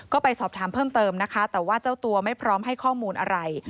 ก็ไปสอบถามเพิ่มเติมนะคะแต่ว่าเจ้าตัวไม่พร้อมให้ข้อมูลอะไร